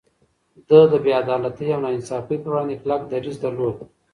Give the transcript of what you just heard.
ده د بې عدالتۍ او ناانصافي پر وړاندې کلک دريځ درلود.